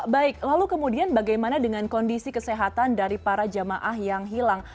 baik lalu kemudian bagaimana dengan kondisi kesehatan dari para jamaah yang hilang